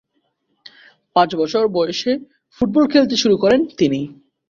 পাঁচ বছর বয়সে ফুটবল খেলতে শুরু করেন তিনি।